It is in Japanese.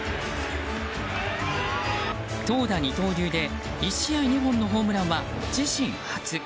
投打二刀流で１試合２本のホームランは自身初。